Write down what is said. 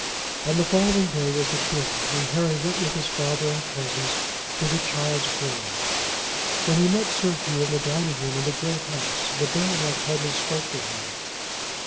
On the following day was the funeral and Harry went with his father and cousins to the child's grave. When he met Sir Hugh in the dining room in the Great House the baronet hardly spoke to him.